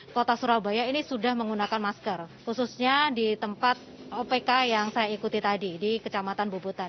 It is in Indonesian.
kota surabaya ini sudah menggunakan masker khususnya di tempat opk yang saya ikuti tadi di kecamatan bubutan